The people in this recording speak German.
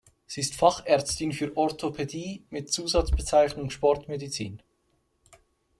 Sie ist Fachärztin für Orthopädie mit Zusatzbezeichnung Sportmedizin.